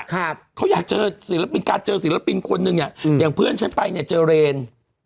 ครับเขาอยากเจอศิลปินการเจอศิลปินคนนึงเนี้ยอืมอย่างเพื่อนฉันไปเนี่ยเจอเรน